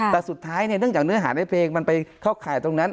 แต่สุดท้ายเนี่ยเนื่องจากเนื้อหาในเพลงมันไปเข้าข่ายตรงนั้น